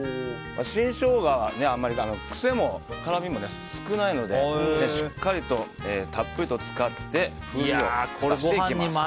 新ショウガは癖も辛みも少ないのでしっかりとたっぷりと使って風味を出していきます。